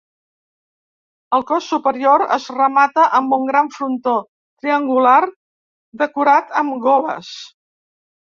El cos superior es remata amb un gran frontó triangular decorat amb goles.